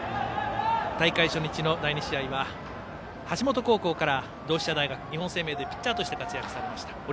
大会初日の第２試合は橋本高校から同志社大学日本生命でピッチャーとして活躍されました。